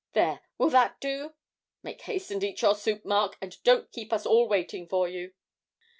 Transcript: There, will that do?' 'Make haste and eat your soup, Mark, and don't keep us all waiting for you.'